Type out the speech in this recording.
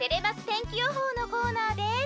天気予報のコーナーです。